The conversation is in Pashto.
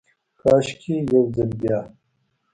کاشکي ، یو ځلې بیا،